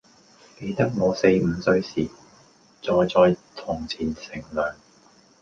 記得我四五歲時，坐在堂前乘涼，